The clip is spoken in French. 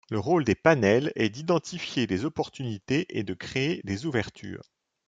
Le rôle des 'panels' est d'identifier les opportunités et de créer des ouvertures.